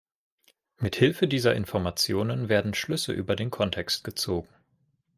Mit Hilfe dieser Informationen werden Schlüsse über den Kontext gezogen.